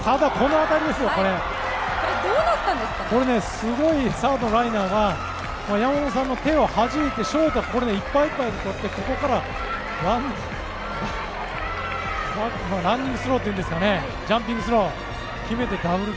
すごいサードライナーが山本さんの手をはじいてショート、いっぱいいっぱいでとって、ここからランニングスローというんですかジャンピングスロー。